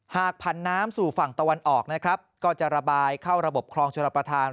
ผันน้ำสู่ฝั่งตะวันออกนะครับก็จะระบายเข้าระบบคลองชลประธาน